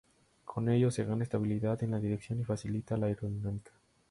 Con ello se gana estabilidad en la dirección y facilita la aerodinámica.